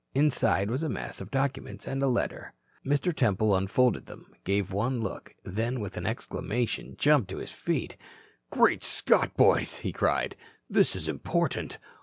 Inside was a mass of documents and a letter. Mr. Temple unfolded them, gave one look, then with an exclamation jumped to his feet. "Great Scott, boys," he cried. "This is important.